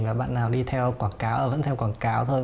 và bạn nào đi theo quảng cáo à vẫn theo quảng cáo thôi